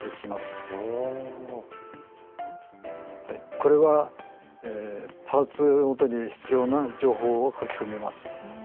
スタジオはいこれはパーツをもとに必要な情報を書き込みます。